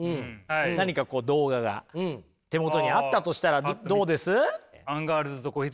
何か動画が手元にあったとしたらどうです？